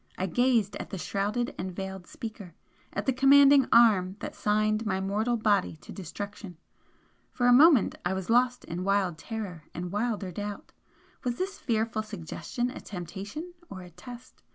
I gazed at the shrouded and veiled speaker at the commanding arm that signed my mortal body to destruction. For a moment I was lost in wild terror and wilder doubt. Was this fearful suggestion a temptation or a test?